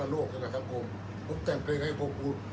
อันไหนที่มันไม่จริงแล้วอาจารย์อยากพูด